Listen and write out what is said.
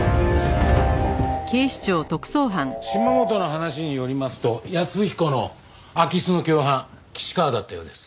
島本の話によりますと安彦の空き巣の共犯岸川だったようです。